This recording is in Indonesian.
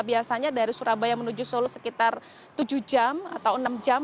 biasanya dari surabaya menuju solo sekitar tujuh jam atau enam jam